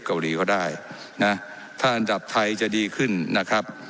เกาหลีก็ได้นะถ้าอันดับไทยจะดีขึ้นนะครับ